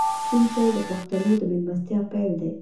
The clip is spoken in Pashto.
شین چای د پښتنو د میلمستیا پیل دی.